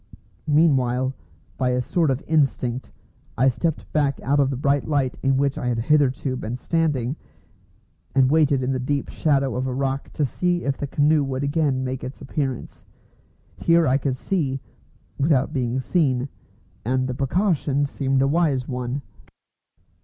Meanwhile, by a sort of instinct, I stepped back out of the bright light in which I had hitherto been standing, and waited in the deep shadow of a rock to see if the canoe would again make its appearance. Here I could see, without being seen, and the precaution seemed a wise one.